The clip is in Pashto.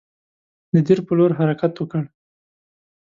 د دیر پر لور حرکت وکړ.